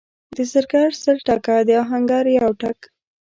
د زرګر سل ټکه، د اهنګر یو ټک.